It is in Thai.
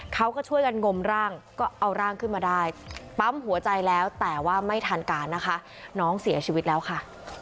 เขาก็ช่วยกันงมร่างก็เอาร่างขึ้นมาได้ปั๊มหัวใจแล้วแต่ว่าไม่ทันการนะคะน้องเสียชีวิตแล้วค่ะ